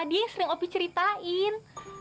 dia yang sering opi ceritain